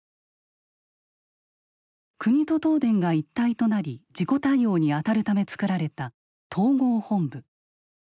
国と東電が一体となり事故対応にあたるため作られた統合本部。